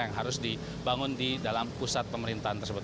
yang harus dibangun di dalam pusat pemerintahan tersebut